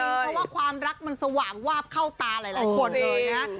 เพราะว่าความรักมันสว่างวาบเข้าตาหลายคนเลยนะ